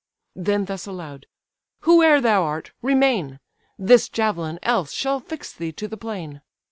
Then thus aloud: "Whoe'er thou art, remain; This javelin else shall fix thee to the plain."